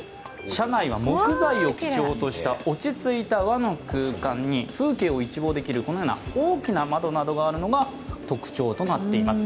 車内は木材を基調とした落ち着いた和の空間に風景を一望できる大きな窓があるのが特徴となっています。